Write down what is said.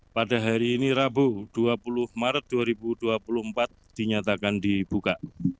pada hari ini rabu dua puluh maret dua ribu dua puluh empat dinyatakan dibuka